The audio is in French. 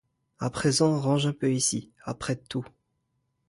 A présent, range un peu ici, apprête tout.